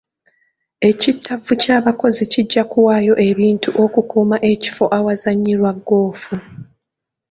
Ekittavvu ky'abakozi kijja kuwaayo ebintu okukuuma ekifo awazannyirwa goofu.